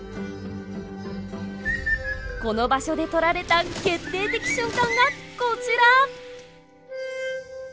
この場所で撮られた決定的瞬間がこちら！